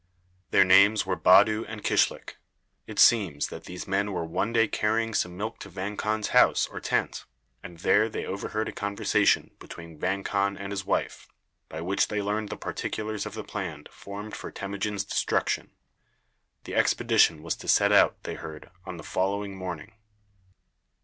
Their names were Badu and Kishlik. It seems that these men were one day carrying some milk to Vang Khan's house or tent, and there they overheard a conversation between Vang Khan and his wife, by which they learned the particulars of the plan formed for Temujin's destruction. The expedition was to set out, they heard, on the following morning.